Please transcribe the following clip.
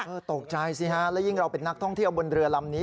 ตกใจสิฮะแล้วยิ่งเราเป็นนักท่องเที่ยวบนเรือลำนี้